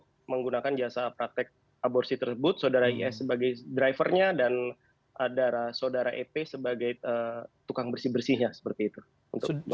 untuk menggunakan jasa praktek aborsi tersebut sodari s u sebagai drivernya dan ada sodari e p sebagai tukang bersih bersihnya seperti itu